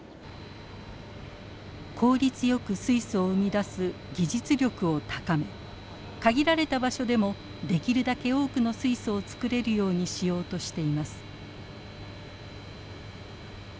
効率よく水素を生み出す技術力を高め限られた場所でもできるだけ多くの水素を作れるようにしようとしています。